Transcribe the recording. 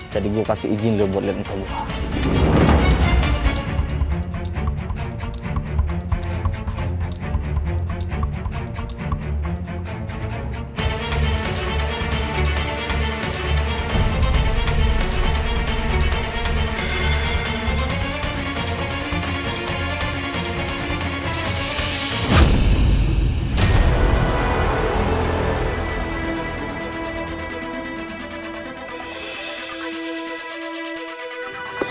jadi gue kasih izin lo buat lihat entah gue